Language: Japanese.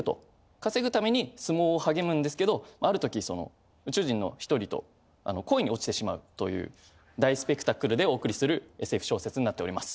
稼ぐために相撲を励むんですけどある時その宇宙人の１人と恋に落ちてしまうという大スペクタクルでお送りするＳＦ小説になっております。